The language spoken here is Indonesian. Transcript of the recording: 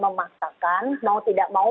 memaksakan mau tidak mau